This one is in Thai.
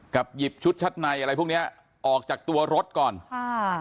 หยิบชุดชั้นในอะไรพวกเนี้ยออกจากตัวรถก่อนค่ะ